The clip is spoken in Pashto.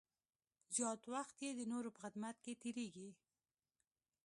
زیات وخت یې د نورو په خدمت کې تېرېږي.